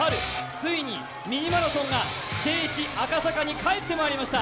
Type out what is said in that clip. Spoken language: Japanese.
ついにミニマラソンが聖地・赤坂に帰ってまいりました。